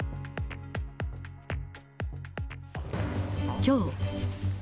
きょう。